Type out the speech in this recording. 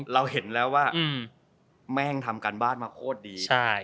เราเห็นแล้วว่าแม่งทำการบ้านมาโคตรดี